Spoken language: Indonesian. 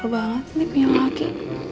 pela banget nih piala laki